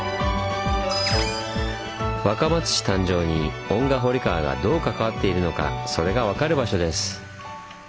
若松市誕生に遠賀堀川がどう関わっているのかそれが分かる場所です。